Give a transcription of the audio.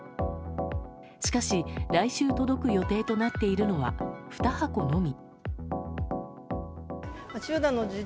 しかし、来週届く予定となっているのは２箱のみ。